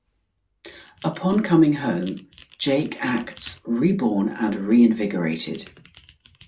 Upon coming home, Jake acts reborn and reinvigorated.